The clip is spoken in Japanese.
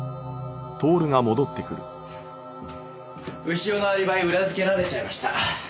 潮のアリバイ裏付けられちゃいました。